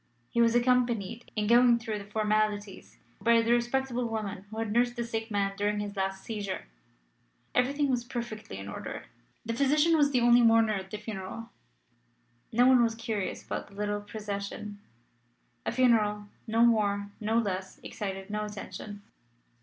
He was accompanied, in going through the formalities, by the respectable woman who had nursed the sick man during his last seizure. Everything was perfectly in order. The physician was the only mourner at the funeral. No one was curious about the little procession. A funeral, more or less, excites no attention.